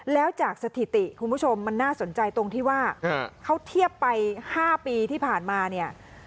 แล้วจากสถิติคุณผู้ชมมันน่าสนใจตรงที่ว่าเขาเทียบไป๕ปีที่ผ่านมาเนี่ย